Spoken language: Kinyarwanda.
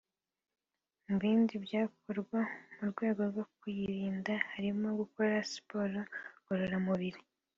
Mu bindi byakorwa mu rwego rwo kuyirinda harimo gukora siporo ngororamubira